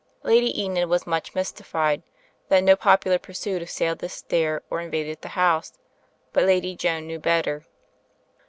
Lady Enid was much mystified that no popular pursuit assailed this stair or invaded the house. But Lady Joan 1 aew better.